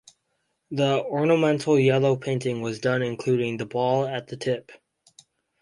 The ornamental yellow painting was done including the ball at the tip.